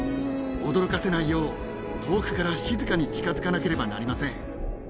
驚かせないよう遠くから静かに近づかなければなりません。